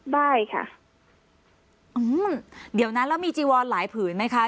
ได้ค่ะอืมเดี๋ยวนั้นแล้วมีจีวอนหลายผืนไหมคะ